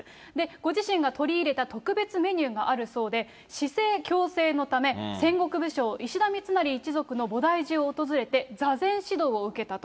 ご自身が取り入れた特別メニューがあるそうで、姿勢矯正のため、戦国武将、石田三成一族の菩提寺を訪れて、座禅指導を受けたと。